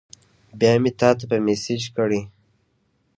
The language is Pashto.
بیا مې تاته په میسج کړی